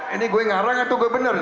ini gue ngarang atau gue benar nih